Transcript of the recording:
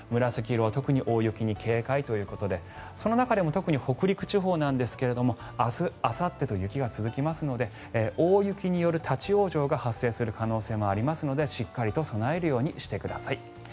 紫色は特に大雪に警戒ということでその中でも特に北陸地方なんですが明日、あさってと雪が続きますので大雪による立ち往生が発生する可能性もありますのでしっかりと備えるようにしてください。